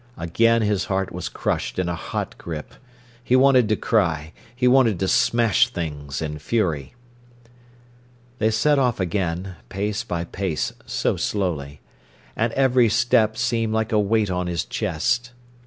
Again his heart was crushed in a hot grip. He wanted to cry, he wanted to smash things in fury. They set off again, pace by pace, so slowly. And every step seemed like a weight on his chest.